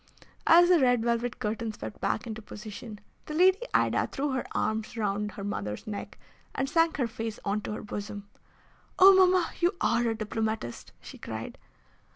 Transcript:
As the red velvet curtains swept back into position, the Lady Ida threw her arms round her mother's neck and sank her face on to her bosom. "Oh! mamma, you are a diplomatist!" she cried.